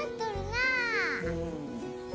うん。